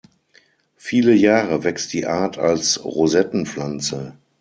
Viele Jahre wächst die Art als Rosettenpflanze.